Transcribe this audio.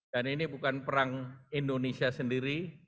dan ini bukan perang indonesia sendiri